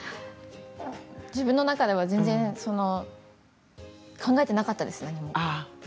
自分の中では全然考えてなかったです、何も。